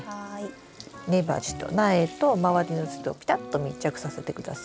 根鉢と苗と周りの土とぴたっと密着させてください。